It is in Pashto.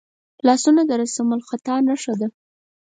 لاسونه د رسمالخط نښه ده